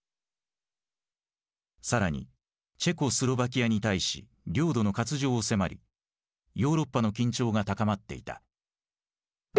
更にチェコスロバキアに対し領土の割譲を迫りヨーロッパの緊張が高まっていた。